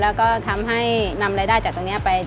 แล้วก็ทำให้นำรายได้จากตรงนี้ไป